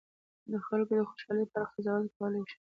د خلکو د خوشالي په اړه قضاوت وکولای شو.